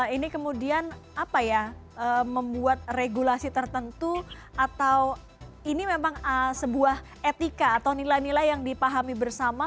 ini kemudian apa ya membuat regulasi tertentu atau ini memang sebuah etika atau nilai nilai yang dipahami bersama